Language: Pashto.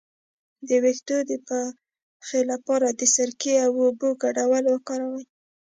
د ویښتو د پخې لپاره د سرکې او اوبو ګډول وکاروئ